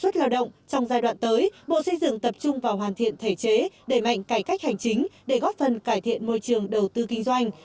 xuất lao động trong giai đoạn tới bộ xây dựng tập trung vào hoàn thiện thể chế đẩy mạnh cải cách hành chính để góp phần cải thiện môi trường đầu tư kinh doanh